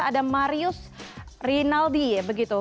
ada marius rinaldi begitu